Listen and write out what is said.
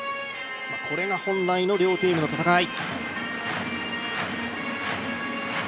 これが本来の両チームの戦い。